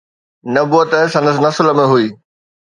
نبوت سندس نسل ۾ هئي.